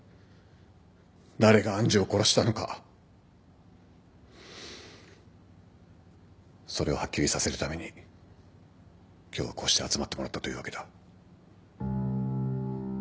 誰が愛珠を殺したのかそれをはっきりさせるために今日はこうして集まってもらったというわけだ。